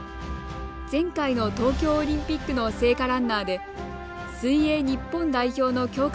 前回の東京オリンピックの聖火ランナーで水泳日本代表の強化